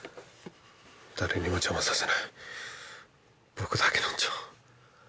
誰にも邪魔させない僕だけの蝶。